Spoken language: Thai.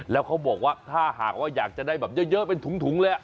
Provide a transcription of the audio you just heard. แล้วเขาบอกว่าอยากจะได้เยอะเป็นถุงเลย